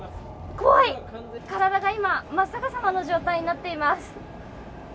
怖い車が今真っ逆さまの状態になっています